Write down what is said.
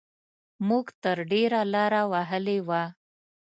موږ تر ډېره لاره وهلې وه.